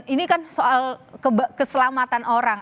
ini kan soal keselamatan orang